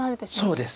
そうです